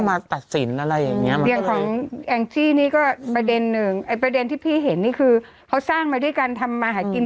ไม่เห็นนี่คือเขาสร้างมาด้วยกันทำอาหารกิน